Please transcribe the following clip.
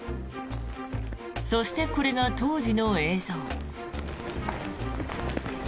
そして、これが当時の映像。